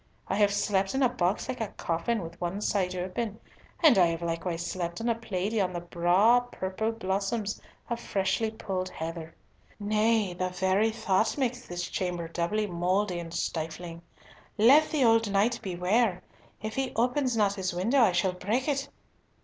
I have slept in a box like a coffin with one side open, and I have likewise slept on a plaidie on the braw purple blossoms of freshly pulled heather! Nay, the very thought makes this chamber doubly mouldy and stifling! Let the old knight beware. If he open not his window I shall break it!